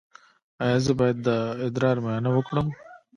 ایا زه باید د ادرار معاینه وکړم؟